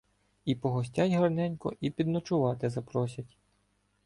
І погостять гарненько, і підночувати запросять.